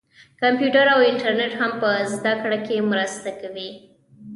کمپیوټر او انټرنیټ هم په زده کړه کې مرسته کوي.